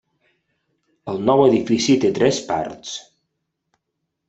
El nou edifici té tres parts.